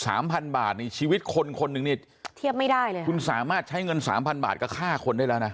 สามพันบาทนี่ชีวิตคนคนหนึ่งนี่เทียบไม่ได้เลยค่ะคุณสามารถใช้เงินสามพันบาทกับฆ่าคนได้แล้วนะ